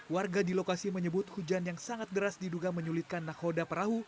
warga di lokasi menyebut hujan yang sangat deras diduga menyulitkan nakoda perahu